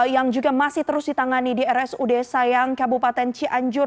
yang juga masih terus ditangani di rsud sayang kabupaten cianjur